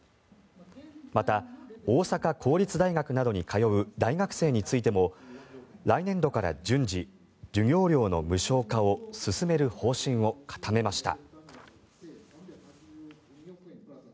また、大阪公立大学などに通う大学生についても来年度から順次授業料の無償化を進める方針を固めました。